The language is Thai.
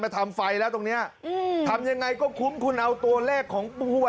มาทำไฟแล้วตรงนี้ทำยังไงก็คุ้มคุณเอาตัวแรกของภูต